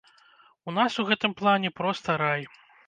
У нас у гэтым плане проста рай.